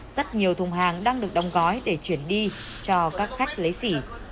rất nhiều thùng hàng đang được đóng gói để chuyển đi cho các khách lấy xỉ